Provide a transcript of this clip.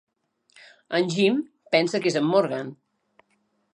En Jim pensa que és en Morgan.